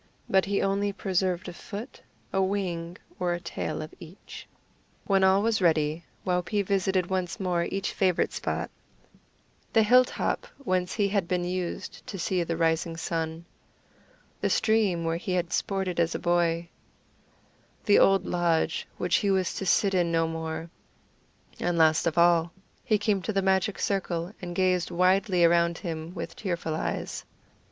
But he only preserved a foot, a wing, or a tail of each. When all was ready, Waupee visited once more each favorite spot the hill top whence he had been used to see the rising sun; the stream where he had sported as a boy; the old lodge, which he was to sit in no more; and last of all, he came to the magic circle, and gazed widely around him with tearful eyes.